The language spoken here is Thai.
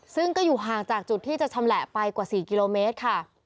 ซึ่งก็อยู่ห่างจากจุดที่จะชำแหละไปกว่า๔กิโลเมตรค่ะ